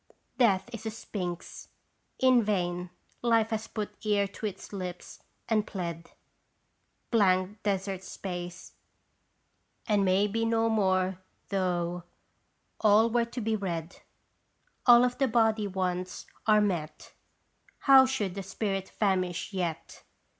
Death is a sphinx, in vain Life has put ear to its lips and pled Blank desert space ! And may be no more though All were to be read. All of the body wants are met, How should the spirit famish yet?